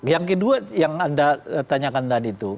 yang kedua yang anda tanyakan tadi itu